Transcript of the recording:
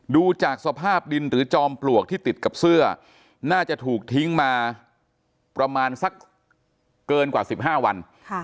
ดูจากสภาพดินหรือจอมปลวกที่ติดกับเสื้อน่าจะถูกทิ้งมาประมาณสักเกินกว่า๑๕วัน